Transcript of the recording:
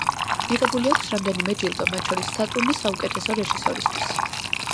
მიღებული აქვს რამდენიმე ჯილდო, მათ შორის სატურნი საუკეთესო რეჟისორისთვის.